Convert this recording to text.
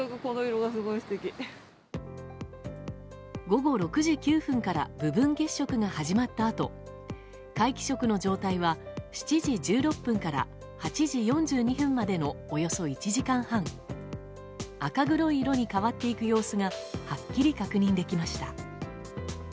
午後６時９分から部分月食が始まったあと皆既食の状態は７時１６分から８時４２分までのおよそ１時間半赤黒い色に変わっていく様子がはっきり確認できました。